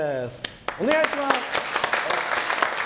お願いします！